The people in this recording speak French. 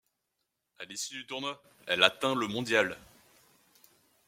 À l'issue du tournoi, elle atteint le mondial.